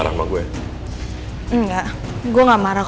babak guowanyh brad